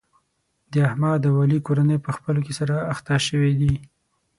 د احمد او علي کورنۍ په خپلو کې سره اخته شوې دي.